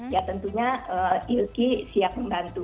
ya tentunya ilki siap membantu